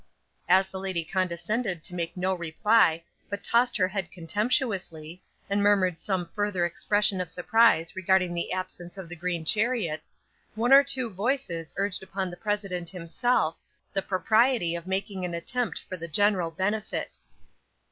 As the lady condescended to make no reply, but tossed her head contemptuously, and murmured some further expression of surprise regarding the absence of the green chariot, one or two voices urged upon the president himself, the propriety of making an attempt for the general benefit.